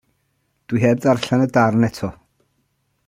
Dwi heb ddarllen y darn eto.